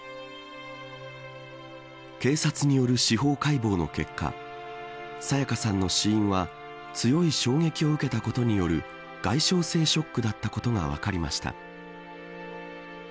警察による司法解剖の結果沙也加さんの死因は強い衝撃を受けたことによる外傷性ショックだったことが分かりました。